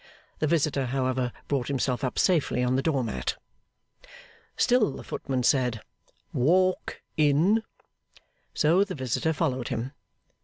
The visitor, however, brought himself up safely on the door mat. Still the footman said 'Walk in,' so the visitor followed him.